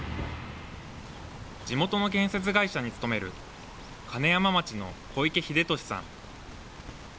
地元の建設会社に勤める金山町の小池豪紀さん。